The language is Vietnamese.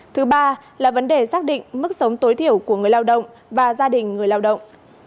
thứ ba là vấn đề xác định mức sống tối thiểu của người lao động và gia đình người lao động